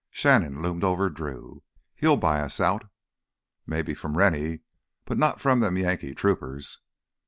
Shannon loomed over Drew. "He'll buy us out." "Maybe from Rennie—not from them Yankee troopers."